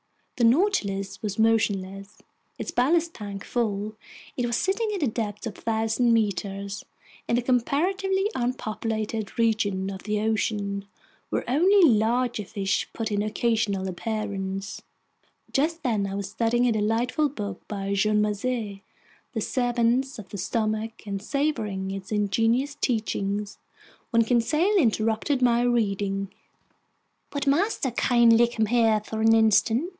The Nautilus was motionless. Its ballast tanks full, it was sitting at a depth of 1,000 meters in a comparatively unpopulated region of the ocean where only larger fish put in occasional appearances. Just then I was studying a delightful book by Jean Macé, The Servants of the Stomach, and savoring its ingenious teachings, when Conseil interrupted my reading. "Would master kindly come here for an instant?"